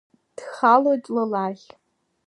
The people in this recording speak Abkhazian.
Дхалоит ла лахь.